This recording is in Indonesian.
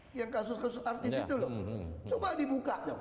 hai yang kasus kasus artis itu loh coba dibuka